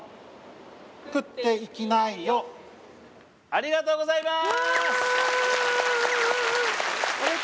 ありがとうございます